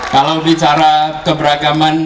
kalau bicara keberagaman